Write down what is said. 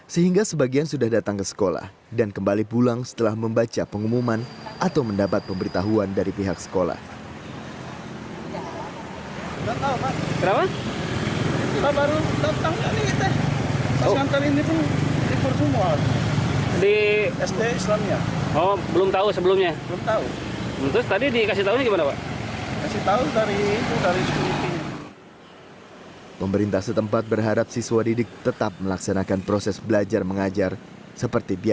sejumlah siswa dan wali murid belum mengetahui informasi ini